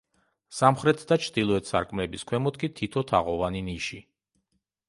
სამხრეთ და ჩრდილოეთ სარკმლების ქვემოთ კი თითო თაღოვანი ნიში.